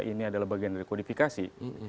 ini adalah bagian dari kodifikasi